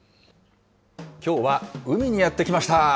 きょうは、海にやって来ました。